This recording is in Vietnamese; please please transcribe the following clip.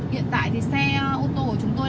hiện tại thì xe ô tô của chúng tôi